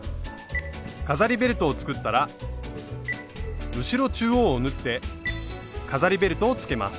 飾りベルトを作ったら後ろ中央を縫って飾りベルトをつけます。